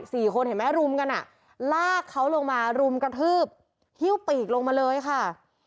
สี่คนเห็นไหมรุมกันอ่ะลากเขาลงมารุมกระทืบหิ้วปีกลงมาเลยค่ะ